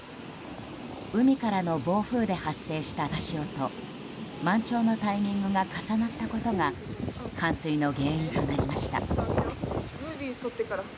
海からの暴風で発生した高潮と満潮のタイミングが重なったことが冠水の原因となりました。